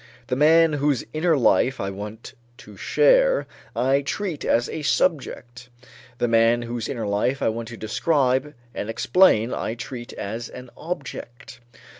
The man whose inner life I want to share I treat as a subject, the man whose inner life I want to describe and explain I treat as an object.